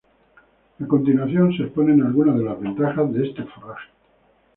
A continuación se exponen algunas de las ventajas de este forraje.